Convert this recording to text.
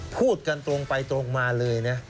พูดกันตรงไปตรงมาเลยนะ